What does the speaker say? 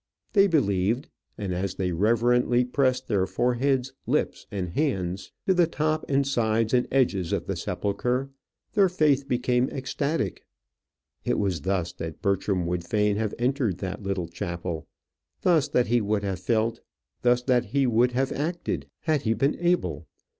They believed; and as they reverently pressed their foreheads, lips, and hands to the top and sides and edges of the sepulchre, their faith became ecstatic. It was thus that Bertram would fain have entered that little chapel, thus that he would have felt, thus that he would have acted had he been able.